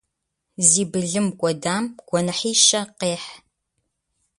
Зи былым кӏуэдам гуэныхьищэ къехь.